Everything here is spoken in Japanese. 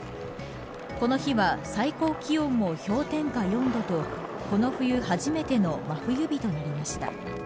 この日は最高気温も氷点下４度とこの冬初めての真冬日となりました。